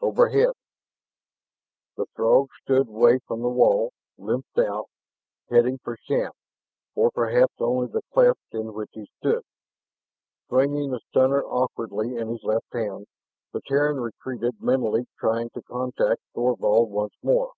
overhead." The Throg stood away from the wall, limped out, heading for Shann, or perhaps only the cleft in which he stood. Swinging the stunner awkwardly in his left hand, the Terran retreated, mentally trying to contact Thorvald once more.